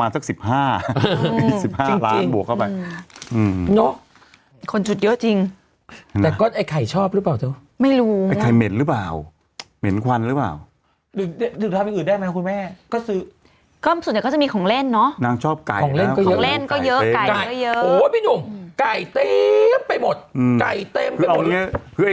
อ้าวหนุ่มแล้วก็กาลาแมนเหรอเธอ